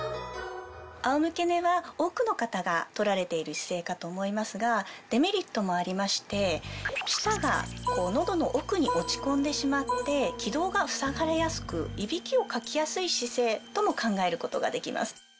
仰向け寝は多くの方が取られている姿勢かと思いますがデメリットもありまして舌が喉の奥に落ち込んでしまって気道が塞がれやすくイビキをかきやすい姿勢とも考えることができます。